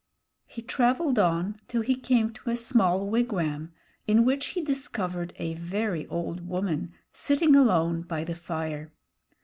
He traveled on till he came to a small wigwam, in which he discovered a very old woman sitting alone by the fire.